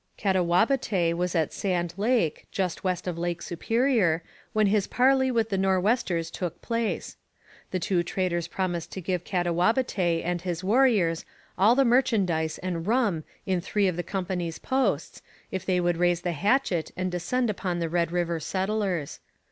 Katawabetay was at Sand Lake, just west of Lake Superior, when his parley with the Nor'westers took place. The two traders promised to give Katawabetay and his warriors all the merchandise and rum in three of the company's posts, if they would raise the hatchet and descend upon the Red River settlers.